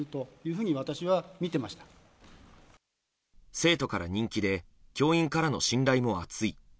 生徒から人気で教員からの信頼も厚い。